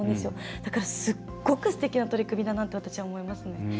だからすごくすてきな取り組みだなと私は思いますね。